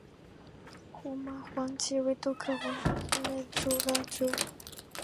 胡麻黄耆为豆科黄芪属的植物。